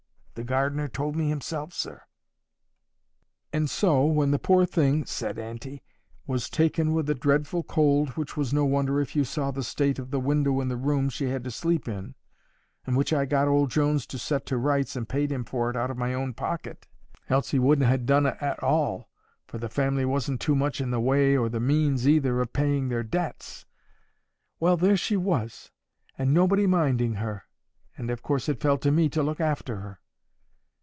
The gardener told me himself, sir.—'And so, when the poor thing,' said auntie, 'was taken with a dreadful cold, which was no wonder if you saw the state of the window in the room she had to sleep in, and which I got old Jones to set to rights and paid him for it out of my own pocket, else he wouldn't ha' done it at all, for the family wasn't too much in the way or the means either of paying their debts—well, there she was, and nobody minding her, and of course it fell to me to look after her.